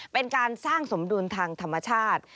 เป็นการสร้างสมดุลทางธรรมชาติ